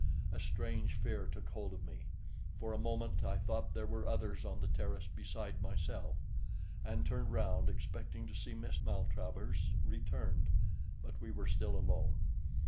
A strange fear took hold of me. For a moment I thought there were others on the terrace beside myself, and turned round expecting to see Miss Maltravers returned; but we were still alone.